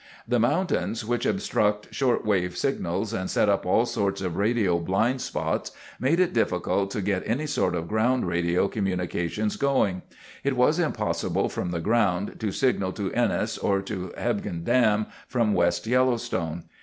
"The mountains, which obstruct short wave signals and set up all sorts of radio blind spots, made it difficult to get any sort of ground radio communication going. It was impossible from the ground, to signal to Ennis or to Hebgen Dam from West Yellowstone.